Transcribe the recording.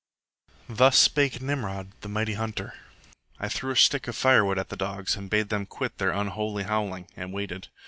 Thus spake Nimrod, the mighty Hunter. I threw a stick of firewood at the dogs and bade them quit their unholy howling, and waited.